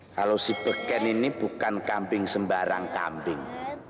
kalau si berken ini bukan kambing sembarang kambing